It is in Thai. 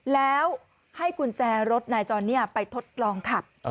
แล้วให้กุญแจรถนายจอนไปทดลองขับ